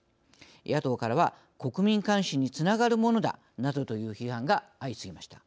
野党からは国民監視につながるものだなどという批判が相次ぎました。